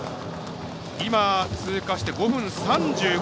通過して５分３５。